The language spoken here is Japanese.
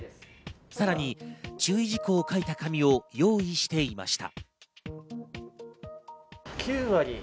さらに注意事項を書いた紙を用意していました。